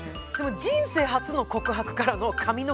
「人生初の告白」からの「髪の毛」。